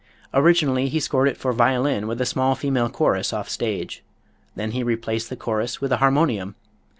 Originally he scored it for violin with a small female chorus off stage. Then he replaced the chorus with a harmonium.